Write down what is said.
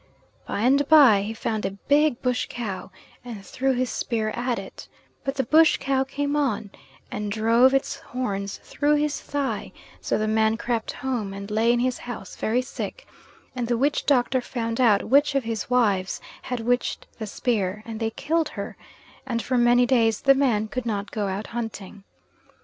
By and by he found a big bush cow, and threw his spear at it, but the bush cow came on, and drove its horns through his thigh, so the man crept home, and lay in his house very sick, and the witch doctor found out which of his wives had witched the spear, and they killed her, and for many days the man could not go out hunting.